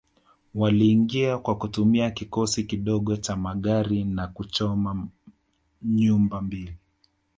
Waliingia kwa kutumia kikosi kidogo cha magari na kuchoma nyumba mbili